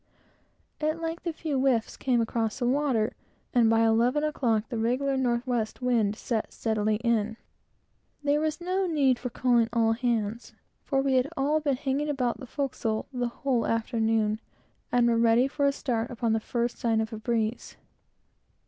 At length, a few whiffs came across the water, and, by eleven o'clock, the regular north west wind set steadily in. There was no need of calling all hands, for we had all been hanging about the forecastle the whole forenoon, and were ready for a start upon the first sign of a breeze.